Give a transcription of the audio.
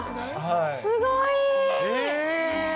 すごいー。